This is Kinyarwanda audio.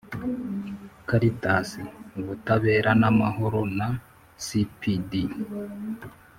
caritas, ubutabera n’amahoro na cpd